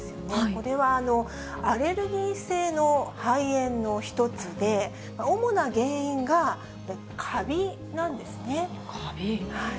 これは、アレルギー性の肺炎の一つで、主な原因がカビなんですね。